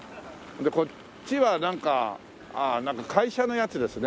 でこっちはなんかああ会社のやつですね。